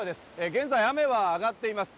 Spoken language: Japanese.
現在雨はあがっています。